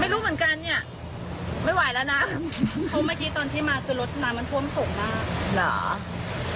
ไม่รู้เหมือนกันเนี่ยไม่ไหวแล้วนะเพราะเมื่อกี้ตอนที่มาคือรถน้ำมันท่วมสูงมากเหรอ